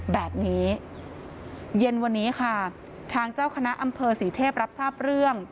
แบบนี้เย็นวันนี้ค่ะทางเจ้าคณะอำเภอศรีเทพรับทราบเรื่อง